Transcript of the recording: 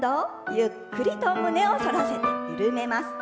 ゆっくりと胸をそらせて緩めます。